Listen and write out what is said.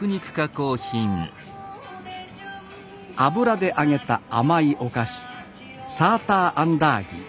油で揚げた甘いお菓子サーターアンダーギー。